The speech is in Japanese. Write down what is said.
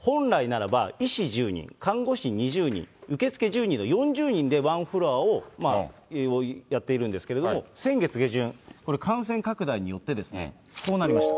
本来ならば、医師１０人、看護師２０人、受付１０人の４０人で１フロアをやっているんですけれども、先月下旬、これ、感染拡大によってこうなりました。